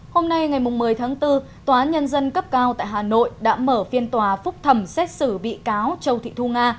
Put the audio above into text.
hôm nay ngày một mươi tháng bốn tòa nhân dân cấp cao tại hà nội đã mở phiên tòa phúc thẩm xét xử bị cáo châu thị thu nga